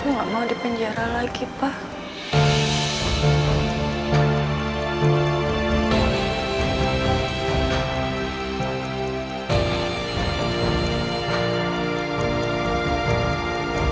tapi aku gak mau dipenjara lagi pak